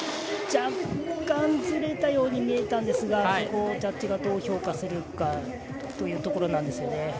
若干ずれたように見えたんですがそこをジャッジがどう評価するかというところなんですよね。